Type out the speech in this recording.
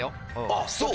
あっそう？